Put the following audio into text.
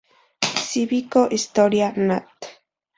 Civico Storia Nat.